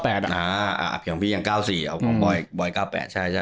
เพียงของพี่อย่าง๙๔ของบอย๙๘ใช่ใช่